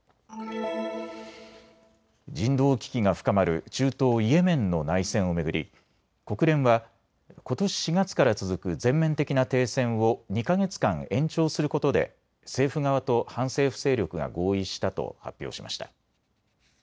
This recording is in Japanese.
人道危機が深まる中東イエメンの内戦を巡り国連はことし４月から続く全面的な停戦を２か月間延長することで政府側と反政府勢力が合意したと発表しました。